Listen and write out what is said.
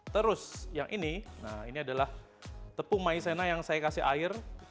terus yang ini nah ini adalah tepung maizena yang saya kasih air